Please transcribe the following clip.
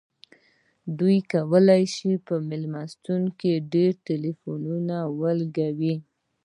دوی کولی شي په میلمستون کې ډیر ټیلیفونونه ولګوي